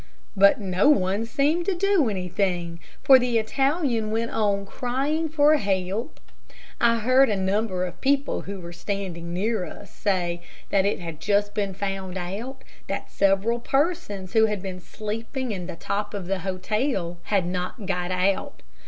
But no one seemed to do anything, for the Italian went on crying for help, I heard a number of people who were standing near us say that it had just been found out that several persons who had been sleeping in the top of the hotel had not got out.